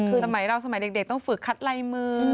คือสมัยเราสมัยเด็กต้องฝึกคัดลายมือ